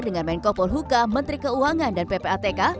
dengan menko polhuka menteri keuangan dan ppatk